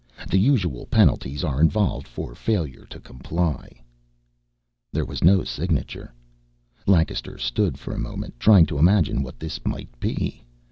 Du UZUal penaltEz ar invOkt fOr fAlUr tU komplI." There was no signature. Lancaster stood for a moment, trying to imagine what this might be.